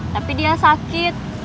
tapi dia sakit